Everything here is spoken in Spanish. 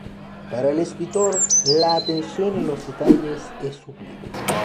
Para el escritor "La atención en los detalles es sublime".